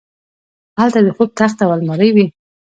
هلته د خوب تخت او المارۍ وې